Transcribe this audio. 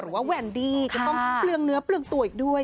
ว่าแวนดี้ก็ต้องเปลืองเนื้อเปลืองตัวอีกด้วย